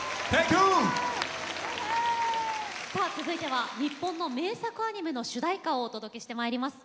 続いては日本の名作アニメの主題歌をお届けします。